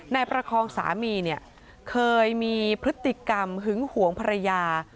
นายประคองสามีเคยมีพฤติกรรมหึ้งห่วงภรรยา